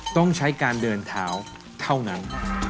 ต้องใช้การเดินเท้าเท่านั้น